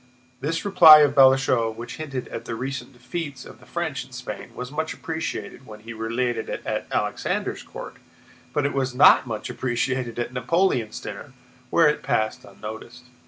This reply of Balashëv's, which hinted at the recent defeats of the French in Spain, was much appreciated when he related it at Alexander's court, but it was not much appreciated at Napoleon's dinner, where it passed unnoticed.